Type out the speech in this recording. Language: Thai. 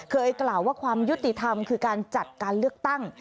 เคยกล่าวว่าความยุติธรรมคือการจัดการเลือกตั้ง